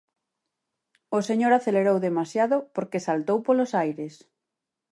O señor acelerou demasiado porque saltou polos aires.